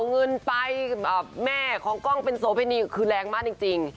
อ๋องึนไปแม่ของก้องเป็นโสเฟนนีคือแรงมัดจริง